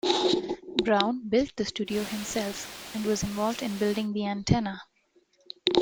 Brown built the studio himself, and was involved in building the antenna.